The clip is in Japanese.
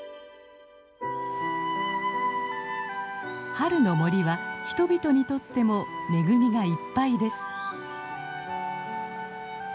春の森は人々にとっても恵みがいっぱいです。